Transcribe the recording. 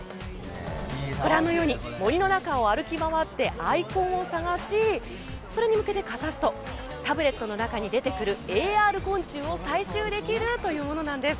ご覧のように森の中を歩き回ってアイコンを探しそれに向けてかざすとタブレットの中に出てくるＡＲ昆虫を採集できるというものなんです。